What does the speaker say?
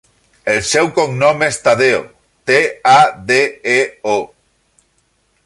El seu cognom és Tadeo: te, a, de, e, o.